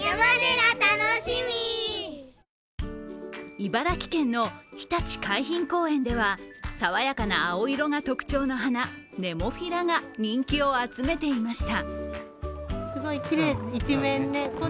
茨城県のひたち海浜公園では爽やかな青色が特徴の花、ネモフィラが人気を集めていました。